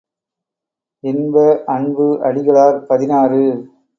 இன்ப அன்பு அடிகளார் பதினாறு .